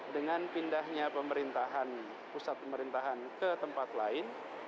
dengan pindahnya pemerintahan pusat pemerintahan ke tempat lain